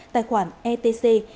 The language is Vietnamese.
tài khoản etc